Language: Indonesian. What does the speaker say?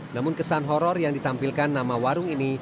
namun kesan horror yang ditampilkan nama warung ini